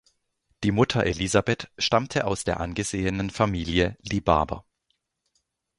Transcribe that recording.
Die Mutter Elisabeth stammte aus der angesehenen Familie Libaber.